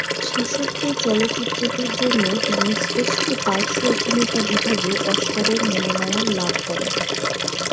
শেষোক্ত চলচ্চিত্রটির জন্য তিনি শ্রেষ্ঠ পার্শ্ব অভিনেতা বিভাগে অস্কারের মনোনয়ন লাভ করেন।